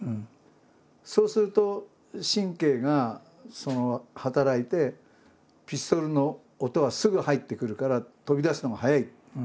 そうすると神経が働いてピストルの音がすぐ入ってくるから飛び出すのが早いって。